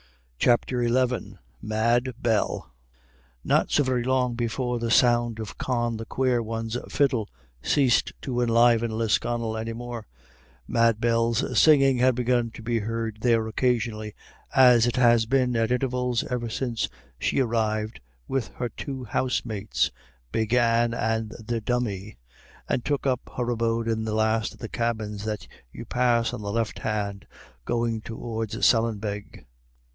CHAPTER XI MAD BELL Not so very long before the sound of Con the Quare One's fiddle ceased to enliven Lisconnel any more, Mad Bell's singing had begun to be heard there occasionally, as it has been at intervals ever since she arrived with her two housemates, Big Anne and the Dummy, and took up her abode in the last of the cabins that you pass on the left hand, going towards Sallinbeg.